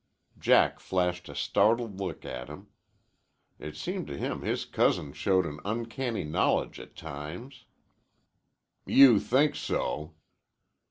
Jack flashed a startled look at him. It seemed to him his cousin showed an uncanny knowledge at times. "You think so."